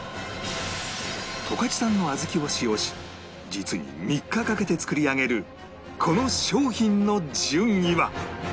十勝産の小豆を使用し実に３日かけて作り上げるこの商品の順位は？